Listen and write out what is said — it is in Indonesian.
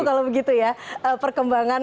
kalau begitu ya perkembangan